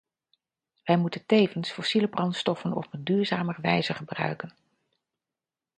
Wij moeten tevens fossiele brandstoffen op een duurzamere wijze gebruiken.